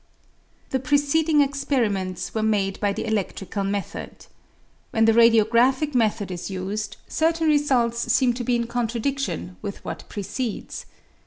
The preceding experiments were made by the eledlrical method. When the radiographic method is used, certain results seem to be in contradidlion with what precedes.